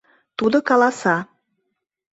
Тудо каласа.